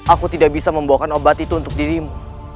aku tidak bisa membawakan obat itu untuk dirimu